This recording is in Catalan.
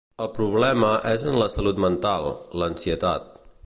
El problema és en la salut mental, l’ansietat.